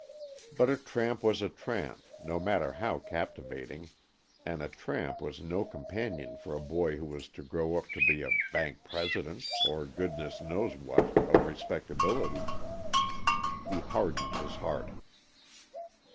But a tramp was a tramp, no matter how captivating, and a tramp was no companion for a boy who was to grow up to be a bank president, or goodness knows what, of respectability. He hardened his heart.